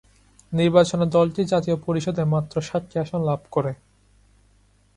নির্বাচনে দলটি জাতীয় পরিষদে মাত্র সাতটি আসন লাভ করে।